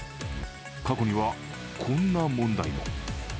過去には、こんな問題も。